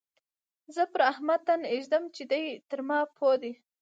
زه پر احمد تن اېږدم چې دی تر ما پوه دی.